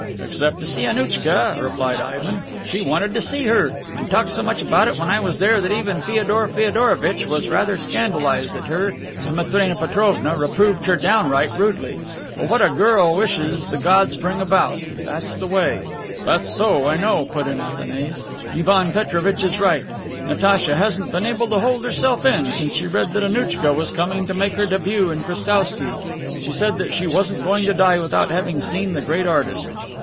"Except to see Annouchka," replied Ivan. "She wanted to see her, and talked so about it when I was there that even Feodor Feodorovitch was rather scandalized at her and Matrena Petrovna reproved her downright rudely. But what a girl wishes the gods bring about. That's the way." "That's so, I know," put in Athanase. "Ivan Petrovitch is right. Natacha hasn't been able to hold herself in since she read that Annouchka was going to make her debut at Krestowsky. She said she wasn't going to die without having seen the great artist."